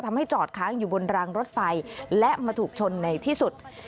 จอดค้างอยู่บนรางรถไฟและมาถูกชนในที่สุด